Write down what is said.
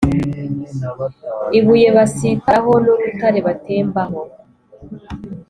ibuye basitaraho n’urutare batembaho,